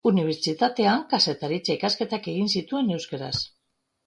Unibertsitatean kazetaritza ikasketak egin zituen euskaraz.